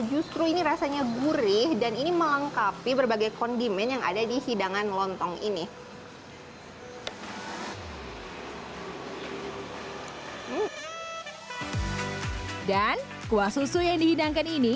justru ini rasanya gurih dan ini melengkapi berbagai kondimen yang ada di hidangan lontong ini